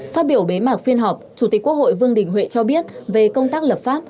phát biểu bế mạc phiên họp chủ tịch quốc hội vương đình huệ cho biết về công tác lập pháp